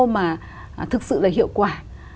mà thực sự là hiệu quả